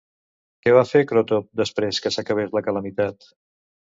Què va fer Crotop després que s'acabés la calamitat?